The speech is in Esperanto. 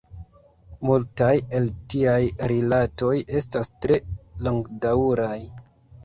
Multaj el tiaj rilatoj estas tre longdaŭraj.